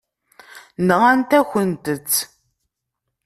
Nɣant-akent-tt.